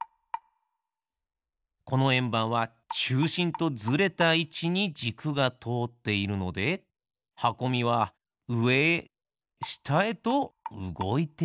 このえんばんはちゅうしんとずれたいちにじくがとおっているのではこみはうえへしたへとうごいているんですね。